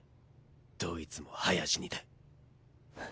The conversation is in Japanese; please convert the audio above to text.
どいつも早死にだ。